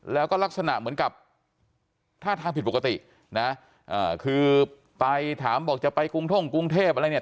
แล้วก็ลักษณะเหมือนกับท่าทางผิดปกตินะคือไปถามบอกจะไปกรุงท่งกรุงเทพอะไรเนี่ย